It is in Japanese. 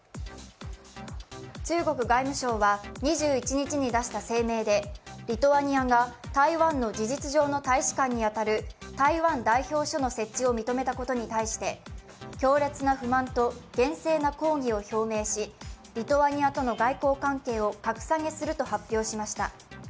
中国外務省は２１日に出した声明でリトアニアが台湾の事実上の大使館に当たる台湾代表処の設置を認めたことに対して、強烈な不満と厳正な抗議を表明し、リトアニアとの外交関係を格下げすると発表しました。